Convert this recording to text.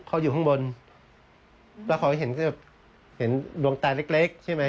เขาอยู่ข้างบนแล้วเขาเห็นดวงตาเล็กเล็กใช่ไหม